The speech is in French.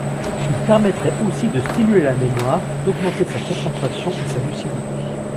Il permettrait aussi de stimuler la mémoire, d'augmenter sa concentration et sa lucidité.